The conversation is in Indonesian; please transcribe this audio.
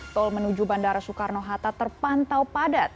tol menuju bandara soekarno hatta terpantau padat